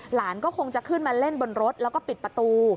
หลานก็คงจะขึ้นมาเล่นบนรถแล้วก็ปิดประตู